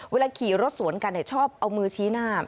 ขี่รถสวนกันชอบเอามือชี้หน้า